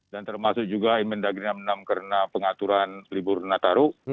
dan termasuk juga mn negeri nomor enam puluh enam karena pengaturan libur nataru